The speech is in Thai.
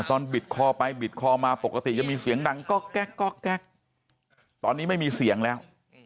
บิดคอไปบิดคอมาปกติจะมีเสียงดังก๊อกแก๊กแก๊กตอนนี้ไม่มีเสียงแล้ว